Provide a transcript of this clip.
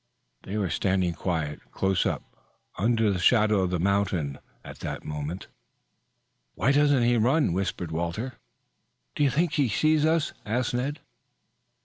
They were standing quite close up under the shadow of the mountain at that moment. "Why doesn't he run?" whispered Walter. "Do you think he sees us?" asked Ned.